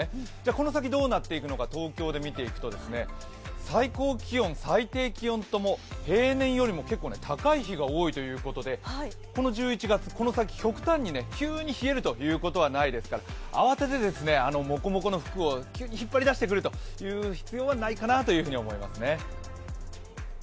この先どうなっていくのか東京で見ていくと、最高気温、最低気温とも平年より高い日が多いということでこの１１月、この先、極端に急に冷えるということはないですから慌てずもこもこの服を急に引っ張り出してくるという必要はないかなと思いますね。